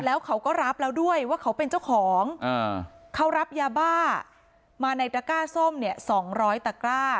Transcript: แล้วเขาก็รับแล้วด้วยว่าเขาเป็นเจ้าของเขารับยาบ้ามาในตระก้าส้มเนี่ย๒๐๐ตะกร้า